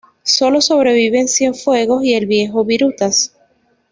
Solo sobreviven Cienfuegos y el viejo "Virutas".